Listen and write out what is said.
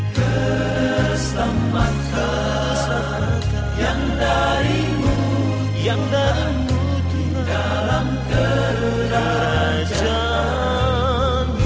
keselamatan yang darimu tuhan di dalam kerajaan